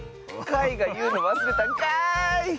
かいがいうのわすれたんかい！